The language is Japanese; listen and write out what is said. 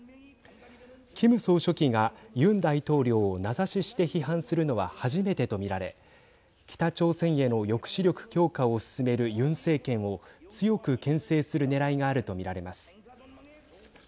キム総書記がユン大統領を名指しして批判するのは初めてと見られ北朝鮮への抑止力強化を進めるユン政権を強くけん制するねらいがあると見られます。